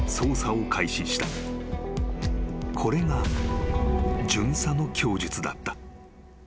［これが巡査の供述だった］